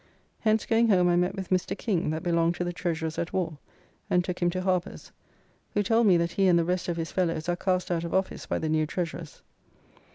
Hence going home I met with Mr. King that belonged to the Treasurers at War and took him to Harper's, who told me that he and the rest of his fellows are cast out of office by the new Treasurers.